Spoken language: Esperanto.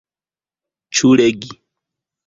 Ĉu legi?